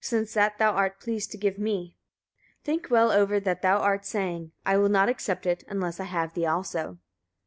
since that thou art pleased to give me? Think well over what thou art saying. I will not accept it, unless I have thee also.